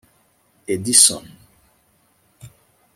edison